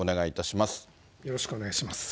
よろしくお願いします。